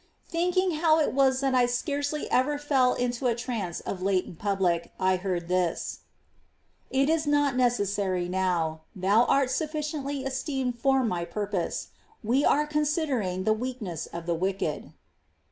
5. Thinkina: how it was that I scarcely ever fell into a trance of late in public, I heard this :" It is not Saint's necessary now ; thou art sufficiently esteemed for My no longer purpose ; we are considering the weakness of the wicked."